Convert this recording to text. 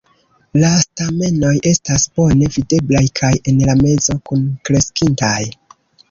La stamenoj estas bone videblaj kaj en la mezo kunkreskintaj.